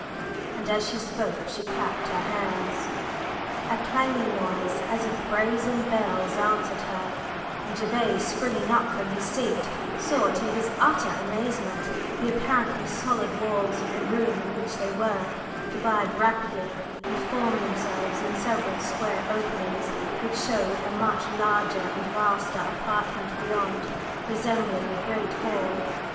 and as she spoke she clapped her hands. A clanging noise as of brazen bells answered her, and Gervase, springing up from his seat, saw, to his utter amazement, the apparently solid walls of the room in which they were, divide rapidly and form themselves in several square openings which showed a much larger and vaster apartment beyond, resembling a great hall.